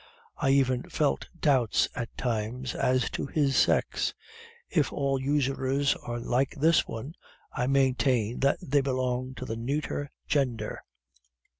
I even felt doubts at times as to his sex. If all usurers are like this one, I maintain that they belong to the neuter gender.